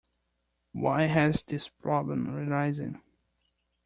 Why has this problem arisen?